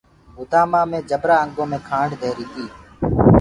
گُدآمآ مي جبرآ انگو مي کآنڊ دهيري تي۔